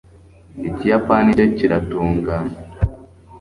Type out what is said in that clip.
ikiyapani cye kiratunganye